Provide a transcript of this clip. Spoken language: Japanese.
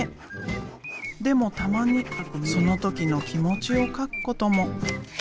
でもたまにその時の気持ちを書くことも。